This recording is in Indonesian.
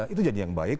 itu janji yang baik